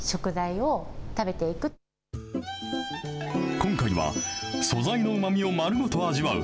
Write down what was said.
今回は、素材のうまみを丸ごと味わう